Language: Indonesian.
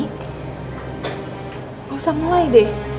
gak usah mulai deh